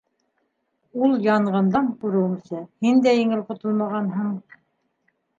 Ул янғындан, күреүемсә, һин дә еңел ҡотолмағанһың...